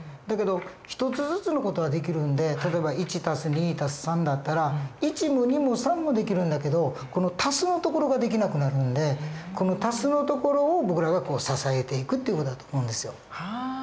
だけど一つずつの事はできるんで例えば１＋２＋３だったら１も２も３もできるんだけどこの＋のところができなくなるんでこの＋のところを僕らが支えていくっていう事だと思うんですよ。